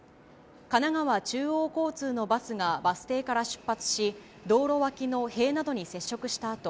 神奈川中央交通のバスがバス停から出発し、道路脇の塀などに接触したあと、